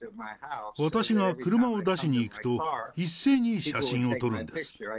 私が車を出しに行くと、一斉に写真を撮るんです。